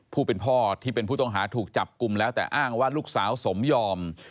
ผู้เป็นพ่อที่เป็นผู้ต้องหาถูกจับกลุ่มแล้วแต่อ้างว่าลูกสาวสมยอม